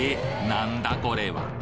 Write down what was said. なんだこれは？